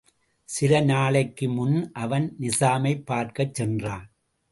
சில நாளைக்கு முன் அவன் நிசாமைப் பார்க்கச் சென்றான்.